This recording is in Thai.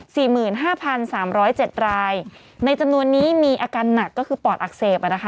สี่หมื่นห้าพันสามร้อยเจ็ดรายในจำนวนนี้มีอาการหนักก็คือปอดอักเสบอ่ะนะคะ